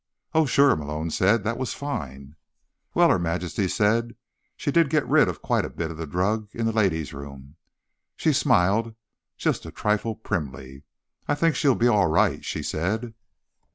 "Oh, sure," Malone said. "That was fine." "Well," Her Majesty said, "she did get rid of quite a bit of the drug in the ladies' room." She smiled, just a trifle primly. "I think she'll be all right," she said.